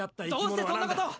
どうしてそんなことを！